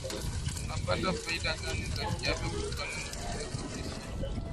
tunapata faida gani za kiafya kutokana na viazi lishe